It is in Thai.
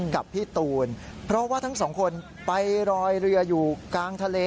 กับพี่ตูนเพราะว่าทั้งสองคนไปรอยเรืออยู่กลางทะเล